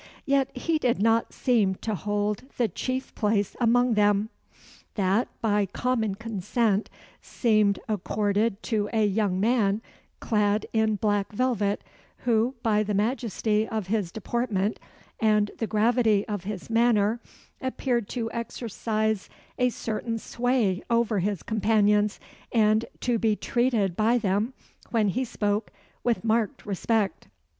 Yet he did not seem to hold the chief place among them: that, by common consent, seemed accorded to a young man clad in black velvet, who, by the majesty of his deportment and the gravity of his manner, appeared to exercise a certain sway over his companions, and to be treated by them, when he spoke, with marked respect.